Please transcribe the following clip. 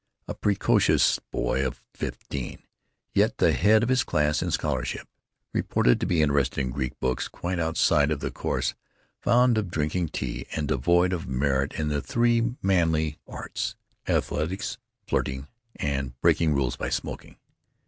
A precocious boy of fifteen, yet the head of his class in scholarship; reported to be interested in Greek books quite outside of the course, fond of drinking tea, and devoid of merit in the three manly arts—athletics, flirting, and breaking rules by smoking.